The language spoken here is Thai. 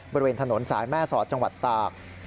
บริเวณถนนสายแม่สอดจังหวัดตาก